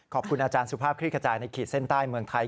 ขอบคุณอาจารย์สุภาพคลิกกระจายในขีดเส้นใต้เมืองไทย